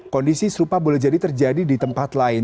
kondisi serupa boleh jadi terjadi di tempat lain